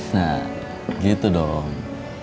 nah gitu dong